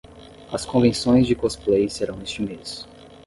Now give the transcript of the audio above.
As convenções de cosplay serão este mês.